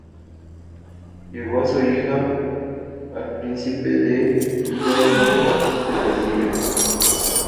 Legó a su ahijado, el príncipe de Joinville el castillo.